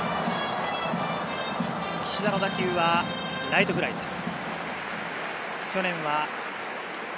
岸田の打球はライトフライです。